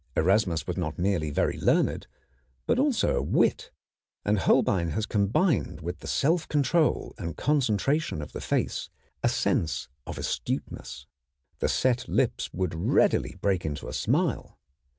Erasmus was not merely very learned but also a wit, and Holbein has combined with the self control and concentration of the face a sense of astuteness. The set lips would readily break into a smile.